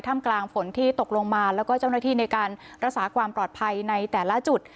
กลางฝนที่ตกลงมาแล้วก็เจ้าหน้าที่ในการรักษาความปลอดภัยในแต่ละจุด